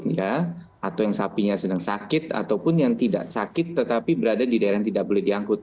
ya atau yang sapinya sedang sakit ataupun yang tidak sakit tetapi berada di daerah yang tidak boleh diangkut